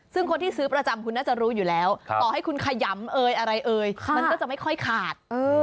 ซึ่งคนที่ซื้อประจำคุณน่าจะรู้อยู่แล้วต่อให้คุณขยำเอยอะไรเอ่ยมันก็จะไม่ค่อยขาด